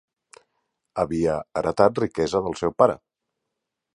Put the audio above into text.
Havia heretat riquesa del seu pare.